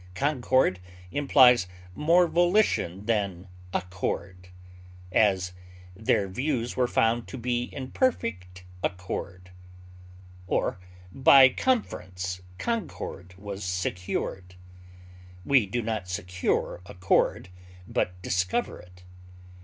Concord implies more volition than accord; as, their views were found to be in perfect accord; or, by conference concord was secured; we do not secure accord, but discover it.